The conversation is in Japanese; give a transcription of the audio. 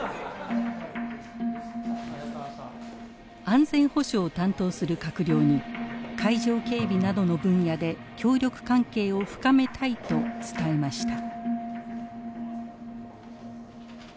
安全保障を担当する閣僚に海上警備などの分野で協力関係を深めたいと伝えました。